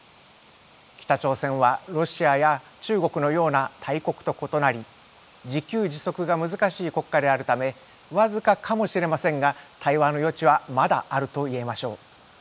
北朝鮮はロシアや中国のような大国と異なり自給自足が難しい国家であるため僅かかもしれませんが対話の余地はまだあるといえましょう。